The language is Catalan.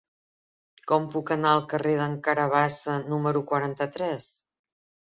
Com puc anar al carrer d'en Carabassa número quaranta-tres?